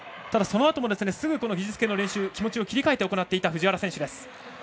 そのあとも、すぐ技術系の練習気持ちを切り替えて行っていた藤原選手。